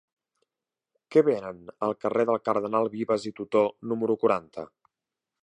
Què venen al carrer del Cardenal Vives i Tutó número quaranta?